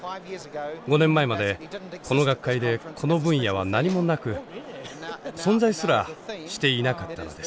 ５年前までこの学会でこの分野は何もなく存在すらしていなかったのです。